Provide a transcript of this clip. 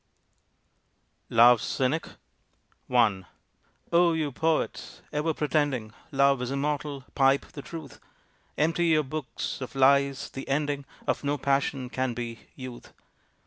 LOVE'S CYNIC I O you poets, ever pretending Love is immortal, pipe the truth! Empty your books of lies, the ending Of no passion can be Youth.